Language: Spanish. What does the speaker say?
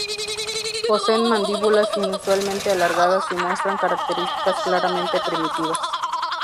Poseen mandíbulas inusualmente alargadas y muestran características claramente primitivas.